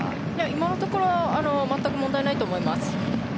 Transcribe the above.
今のところ全く問題ないと思います。